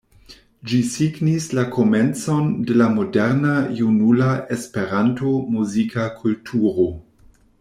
Ĝi signis la komencon de la moderna junula Esperanto-muzika kulturo.